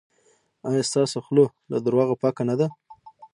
ایا ستاسو خوله له درواغو پاکه نه ده؟